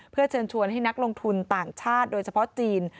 เพื่อเชิญชวนให้นักลงทุนต่างชาติโดยเฉพาะจีน